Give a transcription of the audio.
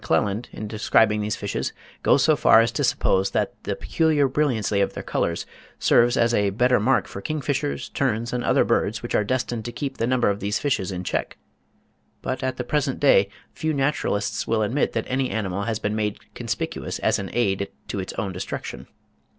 M'Clelland, in describing these fishes, goes so far as to suppose that "the peculiar brilliancy of their colours" serves as "a better mark for king fishers, terns, and other birds which are destined to keep the number of these fishes in check"; but at the present day few naturalists will admit that any animal has been made conspicuous as an aid to its own destruction.